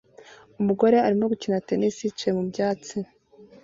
Umugore arimo gukina tennis yicaye mu byatsi